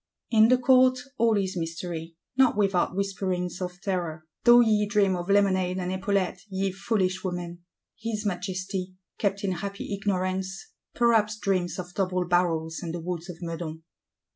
In the Court, all is mystery, not without whisperings of terror; though ye dream of lemonade and epaulettes, ye foolish women! His Majesty, kept in happy ignorance, perhaps dreams of double barrels and the Woods of Meudon.